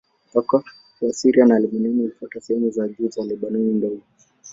Mpaka wa Syria na Lebanoni hufuata sehemu za juu za Lebanoni Ndogo.